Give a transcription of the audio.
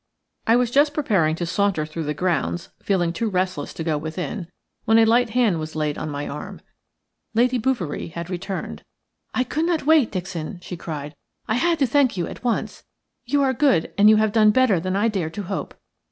I was just preparing to saunter through the grounds, feeling too restless to go within, when a light hand was laid on my arm. Lady Bouverie had returned. "I could not wait, Dixon," she cried. "I had to thank you at once. You are good, and you have done better than I dared to hope.